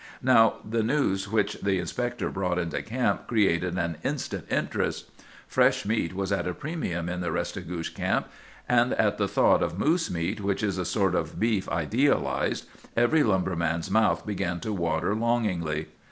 "Now, the news which the inspector brought into camp created an instant interest. Fresh meat was at a premium in the Restigouche Camp; and at the thought of moose meat, which is a sort of beef idealized, every lumberman's mouth began to water longingly.